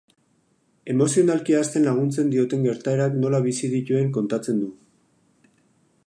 Emozionalki hazten laguntzen dioten gertaerak nola bizi dituen kontatzen du.